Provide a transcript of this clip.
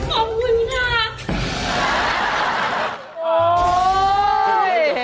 โอ๊ย